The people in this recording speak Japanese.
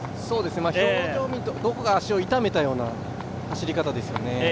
表情を見ると、どこか足を痛めたような走り方ですよね。